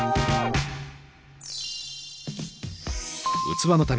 器の旅